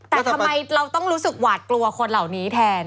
แต่ทำไมเราต้องรู้สึกหวาดกลัวคนเหล่านี้แทน